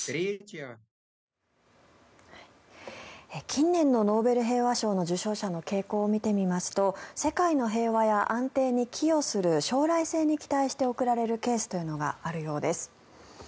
近年のノーベル平和賞の受賞者の傾向を見ていきますと世界の平和や安定に寄与する将来性に期待して送られるケースというのがあるようです。